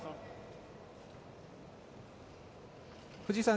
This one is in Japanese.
藤井さん